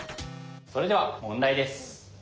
それでは問題です。